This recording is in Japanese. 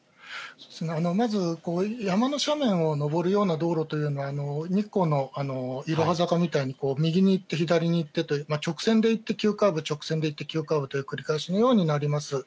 まず山の斜面を上るような道路というのは、日光のいろは坂みたいに、右に行って左に行ってと、直線で行って急カーブ、直線で行って急カーブというような繰り返しのようになります。